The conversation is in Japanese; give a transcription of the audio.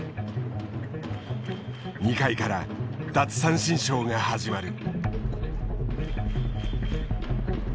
２回から奪三振ショーが始まる。